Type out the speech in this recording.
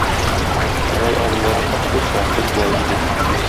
Алай алулары хак булса, без болай эшлик.